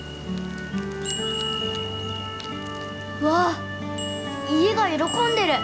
わ家が喜んでる！